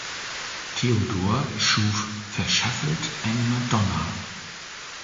Theodor schuf Verschaffelt eine Madonna.